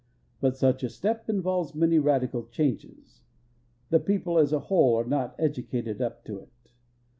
But such a step involves many radical changes. The people as a whole are not educated up to it.